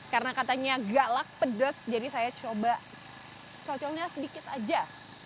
karena katanya galak pedes jadi saya coba cocoknya sedikit saja